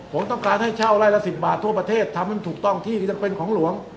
ผมต้องการให้เช่าไร่ละ๑๐บาททั่วประเทศทำให้มันถูกต้องที่ที่จะเป็นของหลวง